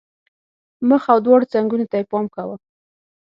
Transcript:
مخ او دواړو څنګونو ته یې پام کاوه.